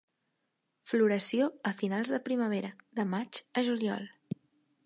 Floració a finals de primavera, de maig a juliol.